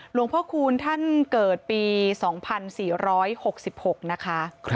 หลวงพ่อคูณท่านเกิดปี๒๔๖๖นะคะ